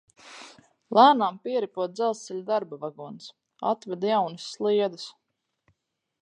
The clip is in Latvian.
Lēnām pieripo dzelzceļa darba vagons. Atveda jaunas sliedes!